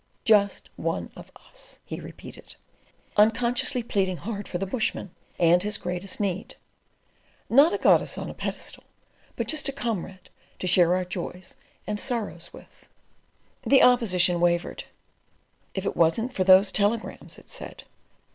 Just One of Us," he repeated, unconsciously pleading hard for the bushman and his greatest need—"not a goddess on a pedestal, but just a comrade to share our joys and sorrows with." The opposition wavered. "If it wasn't for those telegrams," it said.